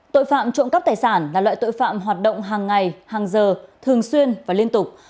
tội phạm trộm cắp tài sản là loại tội phạm hoạt động hàng ngày hàng giờ thường xuyên và liên tục